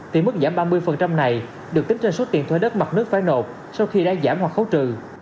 thì mức giảm ba mươi này được tính trên số tiền thuê đất mặt nước phải nộp sau khi đã giảm hoặc khấu trừ